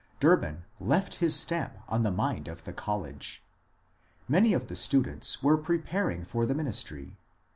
Durbin left his stamp on the mind of the college. Many of the students were preparing for the ministry.